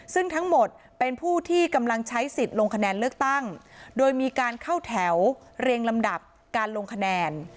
ซึ่งทั้งหมดเป็นผู้ที่กำลังใช้สิทธิ์ลงคะแนนเลือกตั้งโดยมีการเข้าแถวเรียงลำดับการลงคะแนน